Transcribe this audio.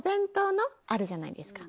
あるじゃないですか。